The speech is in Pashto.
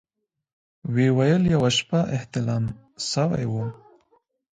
ويې ويل يوه شپه احتلام سوى وم.